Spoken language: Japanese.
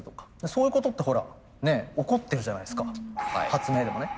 そういうことってほらね起こってるじゃないですか発明でもね。